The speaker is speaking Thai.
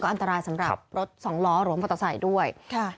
ก็อันตรายสำหรับรถสองล้อหรวมประตัวใส่ด้วย